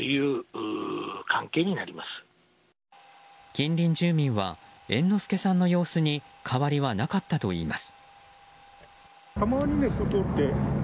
近隣住民は猿之助さんの様子に変わりはなかったといいます。